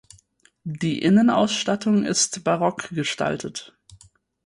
Die Innenausstattung ist barock gestaltet.